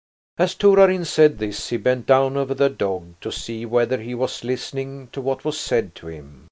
As Torarin said this he bent down over the dog to see whether he was listening to what was said to him.